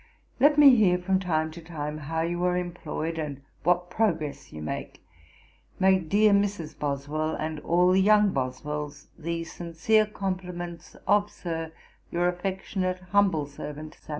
'Let me hear, from time to time, how you are employed, and what progress you make. 'Make dear Mrs. Boswell, and all the young Boswells, the sincere compliments of, Sir, your affectionate humble servant, 'SAM.